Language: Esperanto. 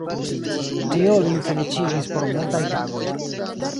Tio lin feliĉigis por multaj tagoj.